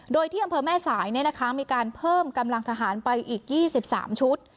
โดยที่อำเภอแม่สายเนี่ยนะคะมีการเพิ่มกำลังทหารไปอีกยี่สิบสามชุด